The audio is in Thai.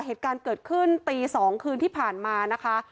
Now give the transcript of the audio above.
เหตุการณ์เกิดขึ้นตี๒คืนที่ผ่านมานะคะ